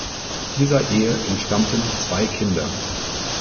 Dieser Ehe entstammten zwei Kinder.